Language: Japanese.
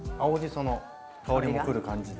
その香りもくる感じで。